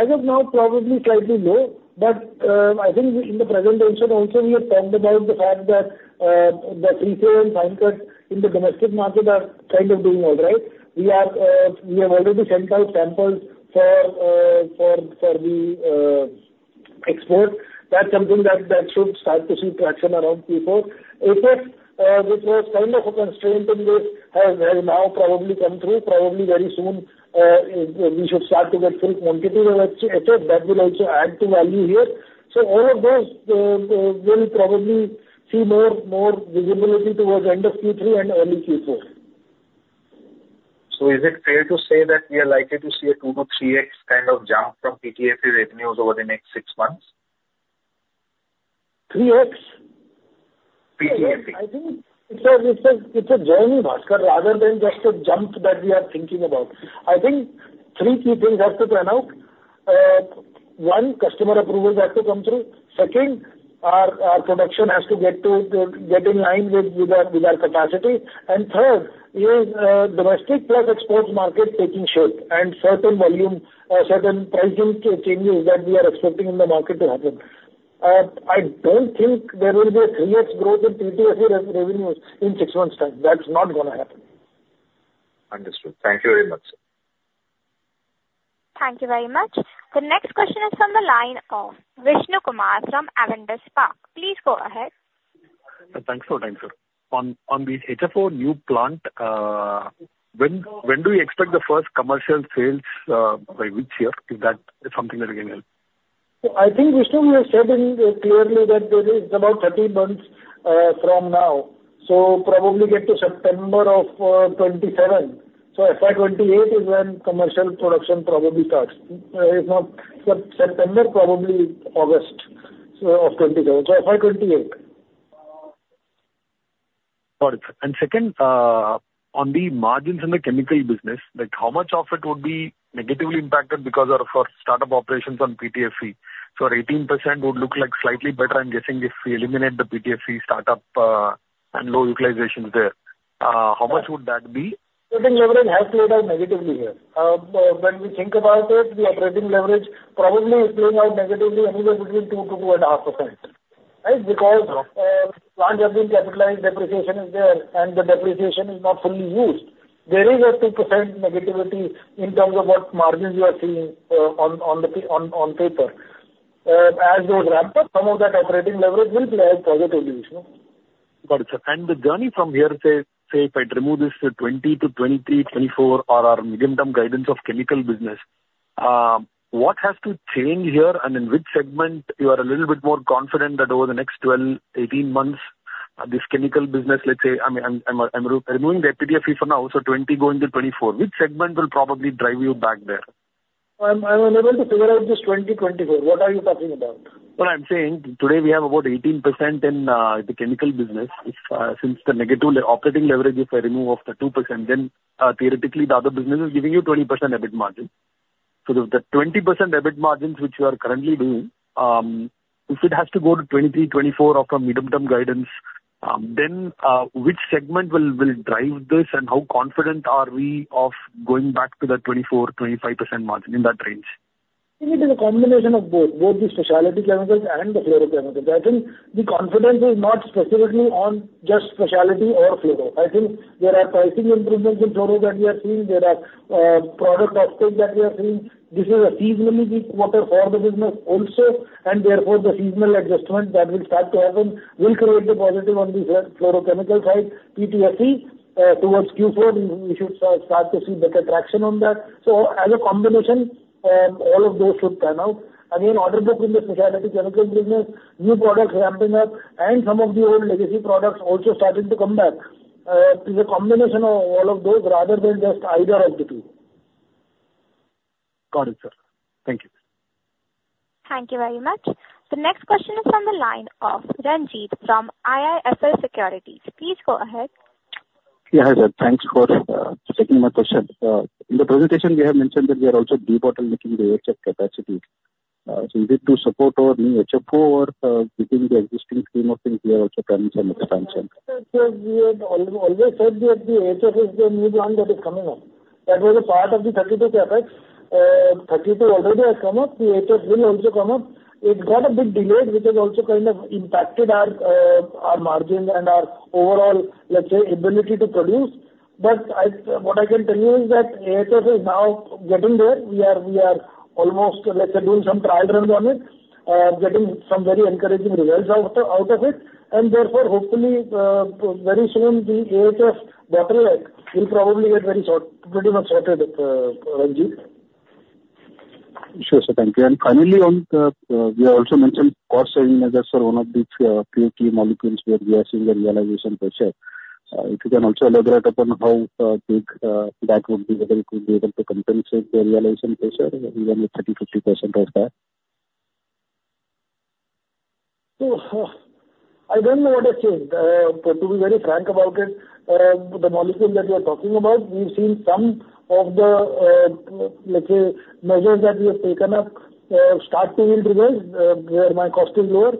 As of now, probably slightly low, but I think in the presentation also, we have talked about the fact that the free flow and fine cut in the domestic market are kind of doing all right. We have already sent out samples for the export. That's something that should start to see traction around Q4. AHF, which was kind of a constraint in this, has now probably come through. Probably very soon, we should start to get full quantity of AHF, that will also add to value here. So all of those, we'll probably see more visibility towards the end of Q3 and early Q4. So is it fair to say that we are likely to see a two to three X kind of jump from PTFE revenues over the next six months? Three X? PTFE. I think it's a journey, Bhaskar, rather than just a jump that we are thinking about. I think three key things have to pan out. One, customer approvals have to come through. Second, our production has to get in line with our capacity. And third, domestic plus export market taking shape and certain volume, certain pricing changes that we are expecting in the market to happen. I don't think there will be a 3X growth in PTFE revenues in six months time. That's not gonna happen. Understood. Thank you very much, sir. Thank you very much. The next question is from the line of Vishnu Kumar from Avendus Spark. Please go ahead. Thanks for the time, sir. On the HFO new plant, when do you expect the first commercial sales, by which year, if that is something that you can help? I think, Vishnu, we have said it clearly that there is about thirty months from now. So probably get to September of 2027. So FY 2028 is when commercial production probably starts. If not September, probably August of 2027, so FY 2028. Got it. And second, on the margins in the chemical business, like, how much of it would be negatively impacted because of our startup operations on PTFE? So our 18% would look like slightly better, I'm guessing, if we eliminate the PTFE startup, and low utilizations there. How much would that be? I think leverage has played out negatively here. When we think about it, the operating leverage probably is playing out negatively anywhere between 2%-2.5%. Right? Because plants have been capitalized, depreciation is there, and the depreciation is not fully used. There is a 2% negativity in terms of what margins you are seeing on paper. As those ramp up, some of that operating leverage will play out positively, Vishnu. Got it, sir. And the journey from here, say, if I remove this 20 to 24 are our medium-term guidance of chemical business, what has to change here, and in which segment you are a little bit more confident that over the next 12, 18 months, this chemical business, let's say, I mean, I'm removing the PTFE for now, so 20 going to 24, which segment will probably drive you back there? I'm unable to figure out this 2024. What are you talking about? I'm saying today we have about 18% in the chemical business. If since the negative operating leverage, if I remove off the 2%, then theoretically, the other business is giving you 20% EBIT margin. So the 20% EBIT margins, which you are currently doing, if it has to go to 23%-24% of a medium-term guidance, then which segment will drive this? And how confident are we of going back to the 24%-25% margin, in that range? I think it is a combination of both, both the specialty chemicals and the fluorochemicals. I think the confidence is not specifically on just specialty or fluoro. I think there are pricing improvements in fluoro that we are seeing. There are product offtakes that we are seeing. This is a seasonally weak quarter for the business also, and therefore, the seasonal adjustment that will start to happen will create the positive on the fluorochemical side. PTFE towards Q4, we should start to see better traction on that. So as a combination, all of those should pan out. Again, order book in the specialty chemical business, new products ramping up, and some of the old legacy products also starting to come back. It's a combination of all of those, rather than just either of the two. Got it, sir. Thank you. Thank you very much. The next question is from the line of Ranjit from IIFL Securities. Please go ahead. Yeah, hi there. Thanks for taking my question. In the presentation, we have mentioned that we are also debottlenecking the HF capacity. Is it to support our new HFO or, within the existing scheme of things, we are also planning some expansion? We have always said that the HFOs, the new plant that is coming up, that was a part of the R-32 CapEx. R-32 already has come up, the HF will also come up. It got a bit delayed, which has also kind of impacted our margins and our overall, let's say, ability to produce. But what I can tell you is that HFOs is now getting there. We are almost, let's say, doing some trial runs on it, getting some very encouraging results out of it. And therefore, hopefully, very soon, the HFOs bottleneck will probably get very short, pretty much sorted, Ranjit. Sure, sir. Thank you. And finally, on the, we also mentioned cost savings as one of the few key molecules where we are seeing the realization pressure. If you can also elaborate on how big that would be, whether it will be able to compensate the realization pressure, even a 30%-50% of that? I don't know what to say. To be very frank about it, the molecule that you're talking about, we've seen some of the, let's say, measures that we have taken up start to yield results, where my cost is lower.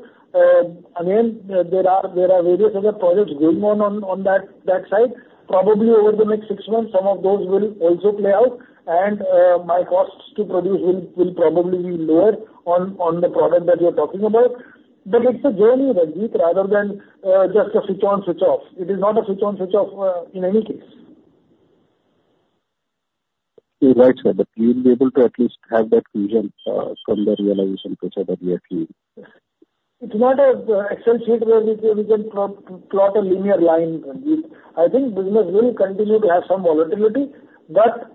Again, there are various other projects going on, on that side. Probably over the next six months, some of those will also play out, and my costs to produce will probably be lower on the product that you're talking about. But it's a journey, Ranjit, rather than just a switch on, switch off. It is not a switch on, switch off, in any case. You're right, sir, but will you be able to at least have that vision, from the realization pressure that we are seeing? It's not a Excel sheet where we can plot a linear line, Ranjit. I think business will continue to have some volatility, but,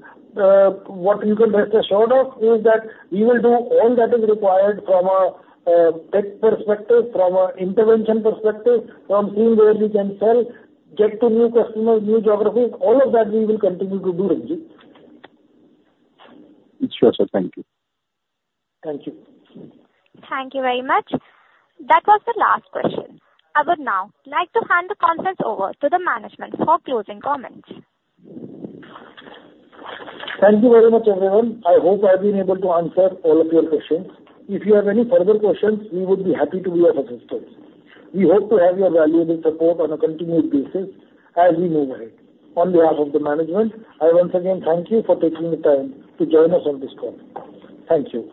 what you can rest assured of, is that we will do all that is required from a, tech perspective, from a intervention perspective, from seeing where we can sell, get to new customers, new geographies, all of that we will continue to do, Ranjit. Sure, sir. Thank you. Thank you. Thank you very much. That was the last question. I would now like to hand the conference over to the management for closing comments. Thank you very much, everyone. I hope I have been able to answer all of your questions. If you have any further questions, we would be happy to be of assistance. We hope to have your valuable support on a continued basis as we move ahead. On behalf of the management, I once again thank you for taking the time to join us on this call. Thank you.